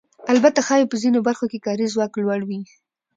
البته ښایي په ځینو برخو کې کاري ځواک لوړ وي